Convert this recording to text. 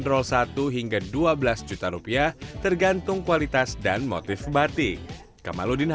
pembelian ini dibanderol rp satu hingga rp dua belas tergantung kualitas dan motif batik